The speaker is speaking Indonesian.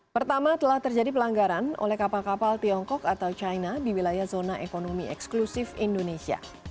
pertama telah terjadi pelanggaran oleh kapal kapal tiongkok atau china di wilayah zona ekonomi eksklusif indonesia